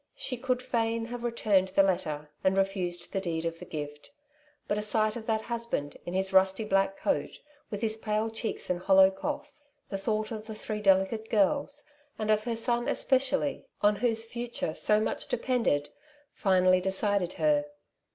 She could fain have returned the letter, and refused the deed of gift ; but a sight of that husband in his rusty black coat, with his pale cheeks and hollow cough ; the thought of the three delicate girls, and of her son especially, on whose future so much depended, finally decided her.